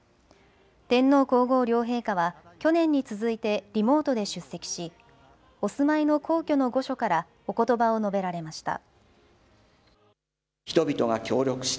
天皇皇后両陛下は去年に続いてリモートで出席しお住まいの皇居の御所からおことばを述べられました。